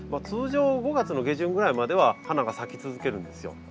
通常５月の下旬ぐらいまでは花が咲き続けるんですよ。